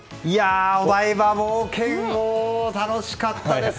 お台場冒険王、楽しかったです。